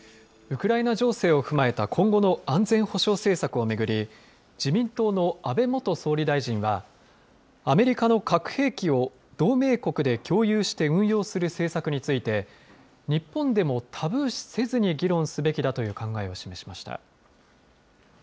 ウクライナ情勢を踏まえた今後の安全保障政策を巡り、自民党の安倍元総理大臣は、アメリカの核兵器を同盟国で共有して運用する政策について、日本でもタブー視せずに議論すべきだという考えを示しました。